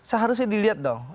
eigalus di pasar